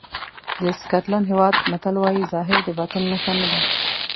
د سکاټلېنډ هېواد متل وایي ظاهر د باطن نښه نه ده.